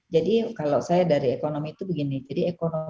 kalau saya dari ekonomi itu begini